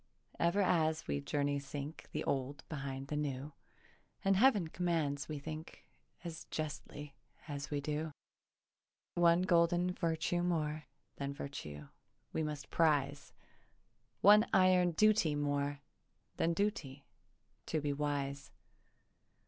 Ever as we journey sink The old behind the new, And Heav'n commands we think As justly as we do. One golden virtue more Than virtue we must prize, One iron duty more Than duty, to be wise.